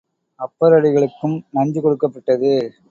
அப்பரடிகளுக்கும் நஞ்சு கொடுக்கப்பட்டது.